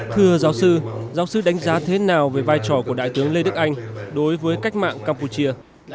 thưa giáo sư giáo sư đánh giá thế nào về vai trò của đại tướng lê đức anh đối với cách mạng campuchia